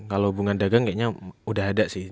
kalau hubungan dagang kayaknya udah ada sih